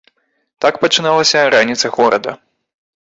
Так пачыналася раніца горада.